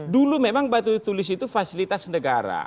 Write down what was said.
dulu memang batu tulis itu fasilitas negara